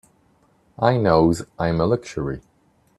I knows I'm a luxury.